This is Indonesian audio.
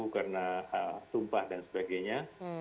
karena sumpah dan sebagainya